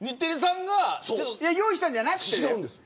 用意したんじゃなくて。